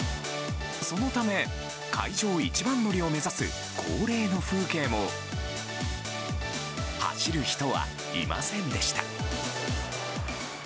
そのため会場一番乗りを目指す恒例の風景も走る人はいませんでした。